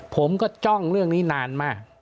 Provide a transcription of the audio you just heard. ผมก็จ้องเรื่องนี้นานมาก